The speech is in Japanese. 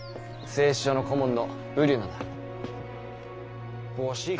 製糸場の顧問のブリュナだ。